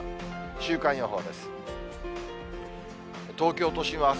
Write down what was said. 週間予報です。